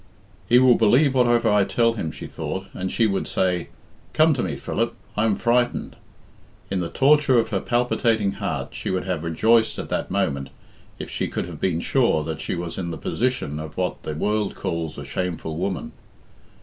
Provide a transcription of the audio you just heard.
"He will believe whatever I tell him," she thought, and she would say, "Come to me, Philip; I am frightened." In the torture of her palpitating heart she would have rejoiced at that moment if she could have been sure that she was in the position of what the world calls a shameful woman.